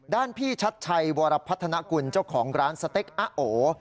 พี่ชัดชัยวรพัฒนากุลเจ้าของร้านสเต็กอะโอ